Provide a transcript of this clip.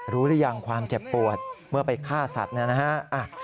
หรือยังความเจ็บปวดเมื่อไปฆ่าสัตว์นะฮะ